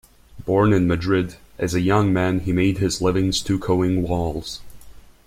Born in Madrid, as a young man he made his living stuccoing walls.